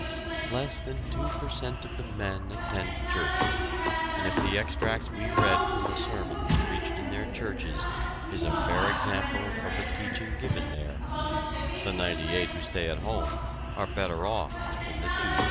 Less than two per cent of the men attend church, and if the extracts we read from the sermons preached in their churches is a fair sample of the teaching given there, the ninety eight who stay at home are better off than the two who go!